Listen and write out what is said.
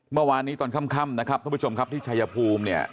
เมื่อวานนี้ตอนค่ำทุกผู้ชมครับที่ชายภูมิ